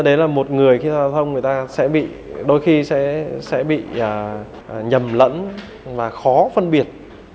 đó là một người khi giao thông đôi khi sẽ bị nhầm lẫn và khó phân biệt